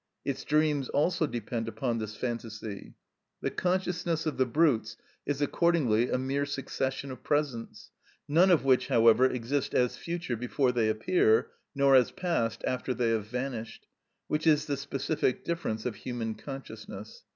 Its dreams also depend upon this phantasy. The consciousness of the brutes is accordingly a mere succession of presents, none of which, however, exist as future before they appear, nor as past after they have vanished; which is the specific difference of human consciousness.